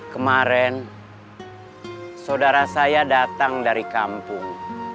kemaren sodara saya datang dari kampung